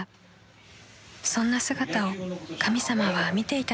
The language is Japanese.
［そんな姿を神様は見ていたのでしょうか？］